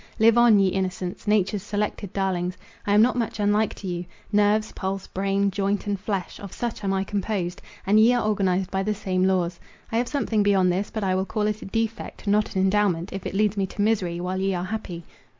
Live on, ye innocents, nature's selected darlings; I am not much unlike to you. Nerves, pulse, brain, joint, and flesh, of such am I composed, and ye are organized by the same laws. I have something beyond this, but I will call it a defect, not an endowment, if it leads me to misery, while ye are happy.